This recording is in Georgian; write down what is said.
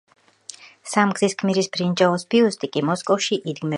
სამგზის გმირის ბრინჯაოს ბიუსტი კი მოსკოვში იდგმებოდა.